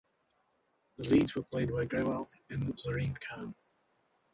The leads were played by Grewal and Zareen Khan.